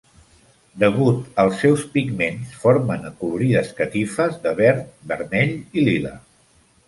Degut als seus pigments, formen acolorides catifes de verd, vermell i lila.